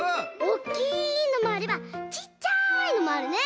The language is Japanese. おっきいのもあればちっちゃいのもあるね！